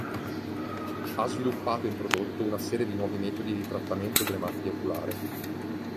Ha sviluppato e introdotto una serie di nuovi metodi di trattamento delle malattie oculari.